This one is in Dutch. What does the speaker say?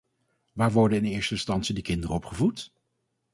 Waar worden in eerste instantie de kinderen opgevoed?